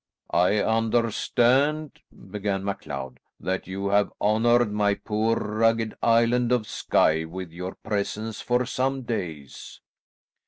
"I understand," began MacLeod, "that you have honoured my poor rugged island of Skye with your presence for some days."